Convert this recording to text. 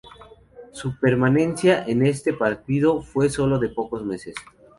Su permanencia en este partido fue sólo de pocos meses.